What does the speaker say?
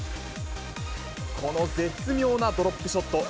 この絶妙なドロップショット。